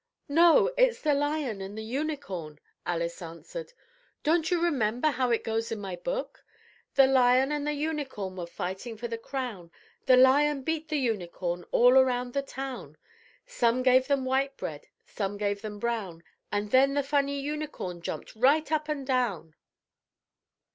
"No, it's the Lion and the Unicorn," Alice answered. "Don't you remember how it goes in my book: "'The Lion and the Unicorn were fighting for the Crown, The Lion beat the Unicorn all around the town. Some gave them white bread, some gave them brown, And then the funny Unicorn jumped right up and down.'